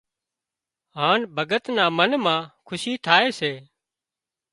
هانَ ڀڳت نا منَ مان کُشي ٿائي سي